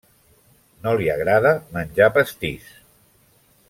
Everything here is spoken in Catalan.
No li agrada menjar pastís.